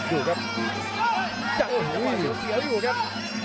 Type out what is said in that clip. อยู่ครับจัดขวาเสียอยู่ครับ